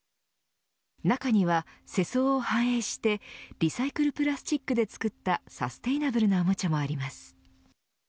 中には、世相を反映してリサイクルプラスチックで作ったサステイナブルなおもちゃもあります。